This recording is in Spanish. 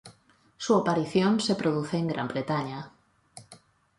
Su aparición se produce en Gran Bretaña.